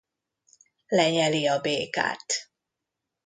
Lenyeli a békát.